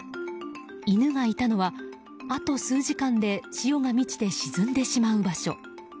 犬がいたのはあと数時間で潮が満ちて沈んでしまう場所。